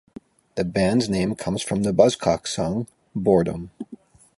The band's name comes from the Buzzcocks song "Boredom".